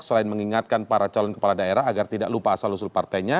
selain mengingatkan para calon kepala daerah agar tidak lupa asal usul partainya